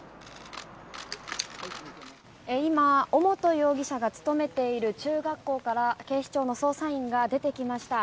今、尾本容疑者が勤めている中学校から警視庁の捜査員が出てきました。